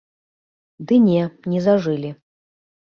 Ды не, не зажылі.